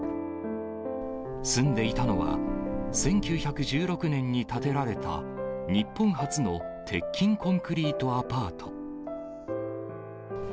住んでいたのは１９１６年に建てられた、日本初の鉄筋コンクリートアパート。